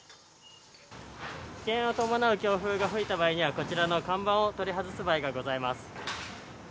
危険を伴う強風が吹いた場合には、こちらの看板を取り外す場合がございます。